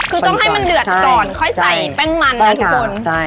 คือต้องให้มันเดือดก่อนค่อยใส่แป้งมันนะทุกคน